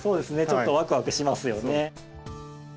ちょっとワクワクしますよね。